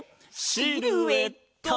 シルエット！